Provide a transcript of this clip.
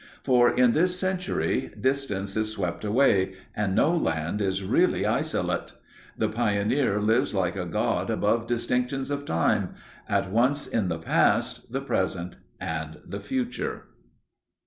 For, in this century, distance is swept away and no land is really isolate. The pioneer lives like a god above distinctions of time, at once in the past, the present and the future.